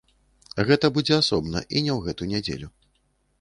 Гэта будзе асобна і не ў гэту нядзелю.